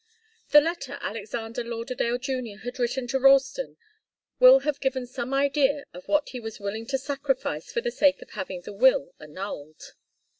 The letter Alexander Lauderdale Junior had written to Ralston will have given some idea of what he was willing to sacrifice for the sake of having the will annulled.